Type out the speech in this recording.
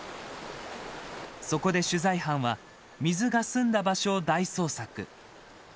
そこで取材班は水が澄んだ場所を大捜索。